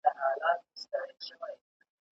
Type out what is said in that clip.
¬ يوه ول مال مي تر تا جار، بل لمن ورته و نيوله.